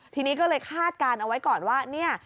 ทีนี้ก็เลยคาดการณ์เอาไว้ก่อนว่าเนี่ย